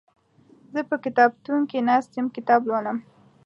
زه په کتابتون کې ناست يم کتاب لولم